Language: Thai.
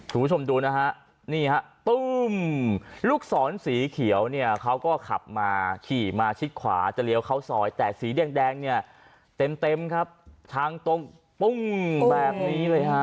คุณผู้ชมดูนะฮะนี่ฮะตุ้มลูกศรสีเขียวเนี่ยเขาก็ขับมาขี่มาชิดขวาจะเลี้ยวเข้าซอยแต่สีแดงเนี่ยเต็มเต็มครับทางตรงปุ้งแบบนี้เลยฮะ